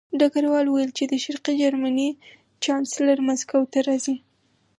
ډګروال وویل چې د شرقي جرمني چانسلر مسکو ته راځي